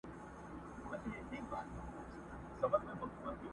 !د عدالت په انتظار؛